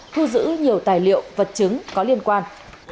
thu giữ nhiều tài liệu vật chứng có liên quan